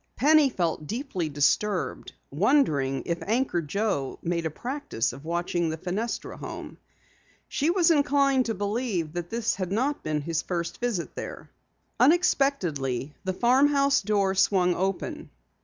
Penny felt deeply disturbed, wondering if Anchor Joe made a practice of watching the Fenestra home. She was inclined to believe that this had not been his first visit there. Unexpectedly the farmhouse door swung open.